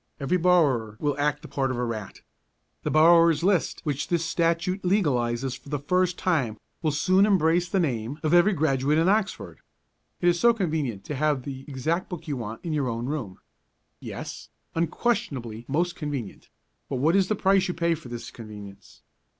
Every borrower will act the part of a rat. The borrowers' list which this Statute legalizes for the first time will soon embrace the name of every graduate in Oxford. It is so convenient to have the exact book you want in your own room. Yes, unquestionably most convenient; but what is the price you pay for this convenience?